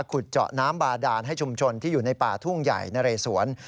ขุดเจาะน้ำบาดานให้ชุมชนที่อยู่ในป่าทุ่งใหญ่นะเรสวน